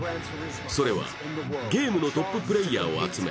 それはゲームのトッププレーヤーを集め